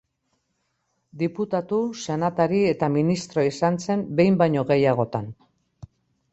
Diputatu, senatari eta ministro izan zen behin baino gehiagotan.